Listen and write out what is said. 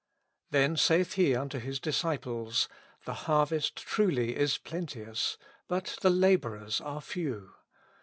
Then saith He unto His disciples^ The harvest truly is plenteous^ but the laborers are few.